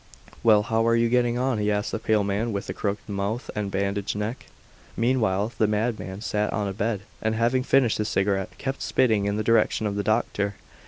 "Well, how are you getting on?" he asked the pale man with the crooked mouth and bandaged neck. Meanwhile the madman sat on a bed, and having finished his cigarette, kept spitting in the direction of the doctor.